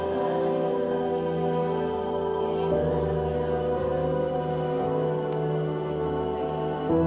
sekarang mas andri udah puas kan